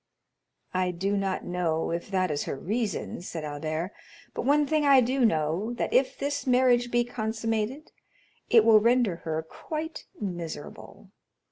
"I do not know if that is her reason," said Albert, "but one thing I do know, that if this marriage be consummated, it will render her quite miserable.